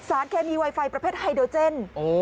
สารแคมมีไวไฟประเภทไฮโดรเจน